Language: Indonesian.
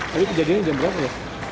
tapi kejadiannya jam berapa ya